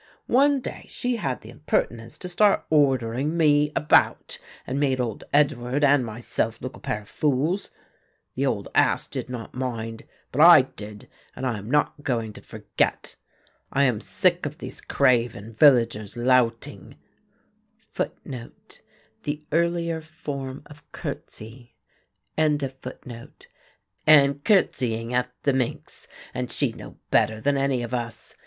One day she had the impertinence to start ordering me about and made old Edward and myself look a pair of fools. The old ass did not mind, but I did and I am not going to forget. I am sick of these craven villagers louting and curtseying at the minx and she no better than any of us.